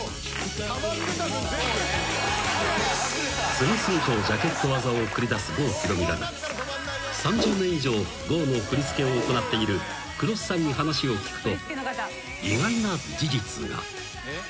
［次々とジャケット技を繰り出す郷ひろみだが３０年以上郷の振り付けを行っている黒須さんに話を聞くと］